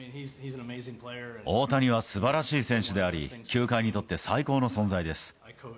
大谷はすばらしい選手であり、球界にとって最高の存在です。